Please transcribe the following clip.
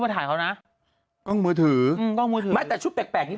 ถ่ายเขานะกล้องมือถืออืมกล้องมือถือไม่แต่ชุดแปลกแปลกนี้